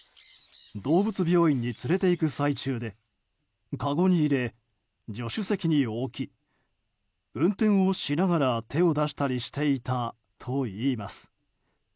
動物病院に連れていく最中でかごに入れ、助手席に置き運転をしながら手を出したりしていたといいます。